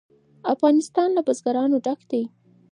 افغانستان له بزګان ډک دی.